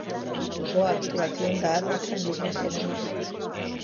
Boa actuación da árbitra en liñas xerais.